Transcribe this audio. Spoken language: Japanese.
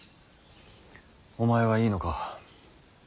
お前はいいのか。